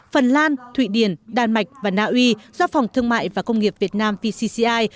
phần lan thụy điển đan mạch và nào uy do phòng thương mại và công nghiệp việt nam vcci